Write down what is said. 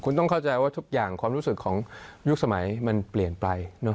คุณต้องเข้าใจว่าทุกอย่างความรู้สึกของยุคสมัยมันเปลี่ยนไป